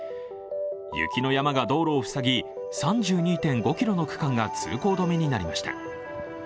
雪の山が道路を塞ぎ、３２．５ｋｍの区間が通行止めになりました。